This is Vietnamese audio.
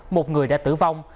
một người đã tử vong